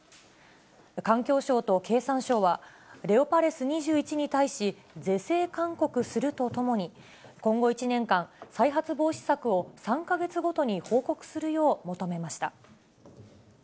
環境省と経産省は、レオパレス２１に対し、是正勧告するとともに、今後１年間、再発防止策を３か月ごとに報告するよう求めました。